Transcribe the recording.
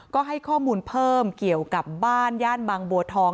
ก็ให้ข้อมูลเพิ่มเกี่ยวกับบ้านย่านบางบัวทอง